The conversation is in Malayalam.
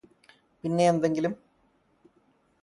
പിന്നെയെന്തങ്കിലും